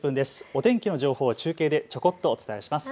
お天気の情報を中継でちょこっとお伝えします。